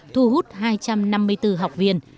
thu hút hai trăm năm mươi bốn học viên